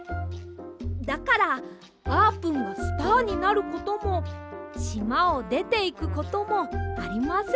だからあーぷんがスターになることもしまをでていくこともありません！